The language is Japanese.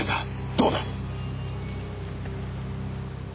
どうだ？